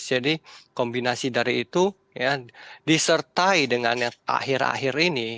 jadi kombinasi dari itu disertai dengan yang akhir akhir ini